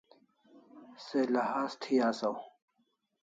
Se lahaz thi asaw